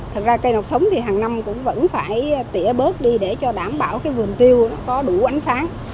thật ra cây nọc sống thì hàng năm cũng vẫn phải tỉa bớt đi để cho đảm bảo cái vườn tiêu có đủ ánh sáng